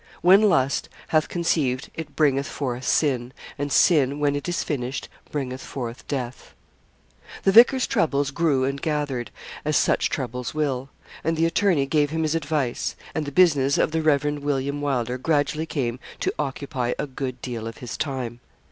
When lust hath conceived it bringeth forth sin, and sin when it is finished bringeth forth death. The vicar's troubles grew and gathered, as such troubles will; and the attorney gave him his advice; and the business of the Rev. William Wylder gradually came to occupy a good deal of his time.